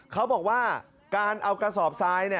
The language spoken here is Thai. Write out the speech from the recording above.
เขาบอกว่าการเอากระสอบทราย